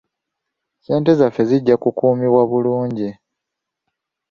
Ssente zaffe zijja kukuumibwa bulungi.